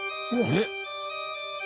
「えっ？」